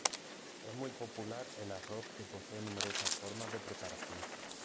Es muy popular el arroz que posee numerosas formas de preparación.